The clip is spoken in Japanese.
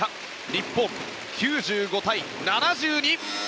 日本、９５対７２。